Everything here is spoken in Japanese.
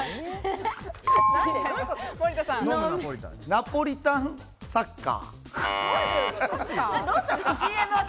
ナポリタンサッカー。